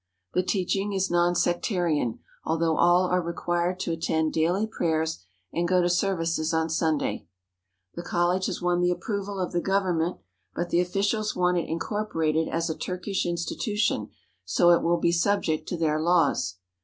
The teaching is non sectarian, although all are required to attend daily prayers and go to services on Sunday. The college has won the approval of the Gov ernment, but the officials want it incorporated as a Turkish institution so it will be subject to their laws.